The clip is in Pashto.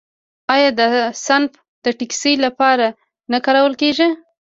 آیا اسنپ د ټکسي لپاره نه کارول کیږي؟